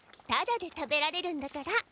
タダで食べられるんだから。